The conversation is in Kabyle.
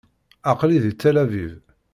Aql-i deg Tel Aviv.